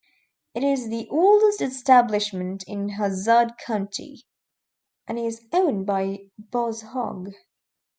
It is the oldest establishment in Hazzard County, and is owned by Boss Hogg.